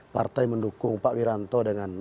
partai mendukung pak wiranto dengan